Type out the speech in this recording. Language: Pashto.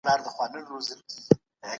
اسلام د تولو لپاره خیر غواړي.